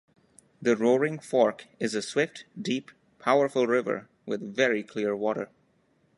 The Roaring Fork is a swift, deep, powerful river with very clear water.